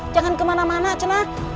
jangan kemana mana cenak